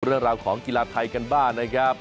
เรื่องราวของกีฬาไทยกันบ้างนะครับ